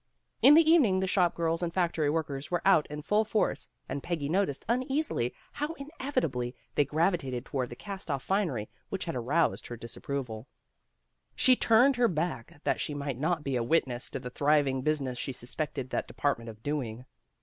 In the evening the shop girls and factory workers were out in full force, and Peggy noticed uneasily how inevitably they gravitated toward the cast off finery which had aroused her disapproval. 78 PEGGY RAYMOND'S WAY She turned her back that she might not be a witness to the thriving business she suspected that department of doing.